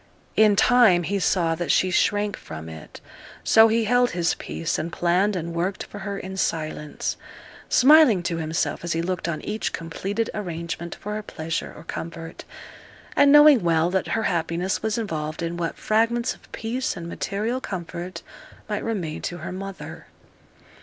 In time he saw that she shrank from it; so he held his peace, and planned and worked for her in silence, smiling to himself as he looked on each completed arrangement for her pleasure or comfort; and knowing well that her happiness was involved in what fragments of peace and material comfort might remain to her mother.